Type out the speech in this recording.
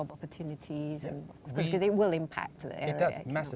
karena itu akan mempengaruhi area